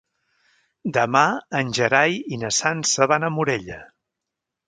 Demà en Gerai i na Sança van a Morella.